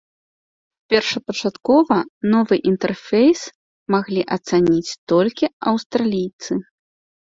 Першапачаткова новы інтэрфейс маглі ацаніць толькі аўстралійцы.